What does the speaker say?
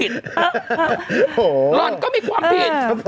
หล่อนก็มีความผิด